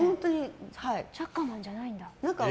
チャッカマンじゃないんだ。